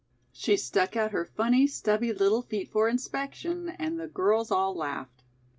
She stuck out her funny stubby little feet for inspection and the girls all laughed.